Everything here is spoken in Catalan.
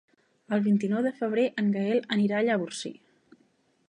El vint-i-nou de febrer en Gaël anirà a Llavorsí.